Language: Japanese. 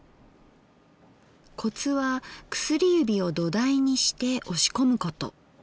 コツは薬指を土台にして押し込むこと。